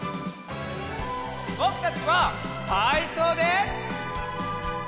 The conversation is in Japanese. ぼくたちはたいそうで。